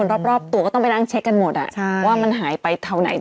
โปรดติดตามตอนต่อไป